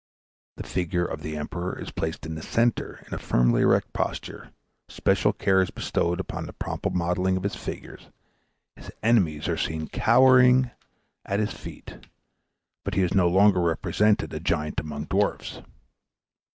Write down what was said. The figure of the emperor is placed in the center in a firmly erect posture; special care is bestowed on the proper modelling of his figure; his enemies are seen cowering at his feet; but he is no longer represented a giant among dwarfs.